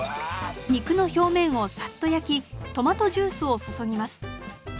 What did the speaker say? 肉の表面をさっと焼きトマトジュースを注ぎます。